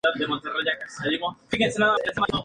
Desde allí pudo ver a su amiga Aída tirada en el piso.